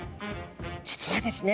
実はですね